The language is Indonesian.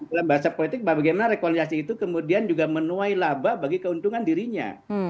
dalam bahasa politik bagaimana rekonsiliasi itu kemudian juga menuai laba bagi keuntungan dirinya